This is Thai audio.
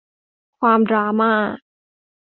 ความดราม่า